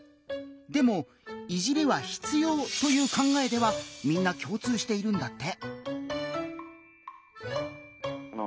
でも「いじり」は必要という考えではみんな共通しているんだって。